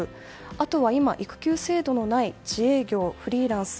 あとは今、育休制度のない自営業、フリーランス